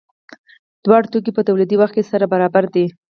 دواړه توکي په تولیدي وخت کې سره برابر دي.